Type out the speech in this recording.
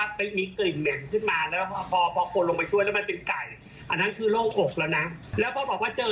เรื่องนี้สอนให้รู้เลยนะคะว่าจริงแล้วเนี่ยไม่ว่าใครก็แล้วแต่